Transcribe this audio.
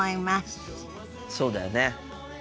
そうだよね。